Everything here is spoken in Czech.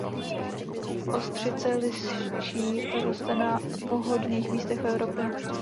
Ostřice liščí roste na vhodných místech v Evropě.